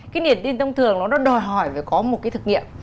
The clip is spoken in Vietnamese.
cái niềm tin thông thường nó đòi hỏi phải có một cái thực nghiệm